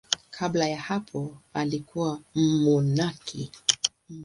Kabla ya hapo alikuwa mmonaki.